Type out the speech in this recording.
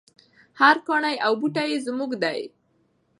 هر کاڼی او بوټی یې زموږ دی.